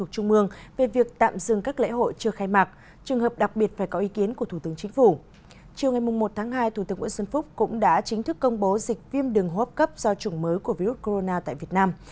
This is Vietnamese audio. chiều ngày một tháng hai thủ tướng nguyễn xuân phúc cũng đã chính thức công bố dịch viêm đường hốp cấp do chủng mới của virus corona tại việt nam